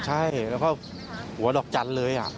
ใช่แล้วก็หัวดอกจันทร์เลย